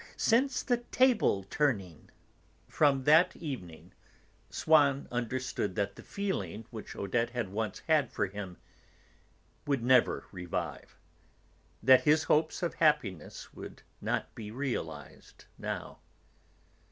since the table turning!" From that evening, Swann understood that the feeling which Odette had once had for him would never revive, that his hopes of happiness would not be realised now.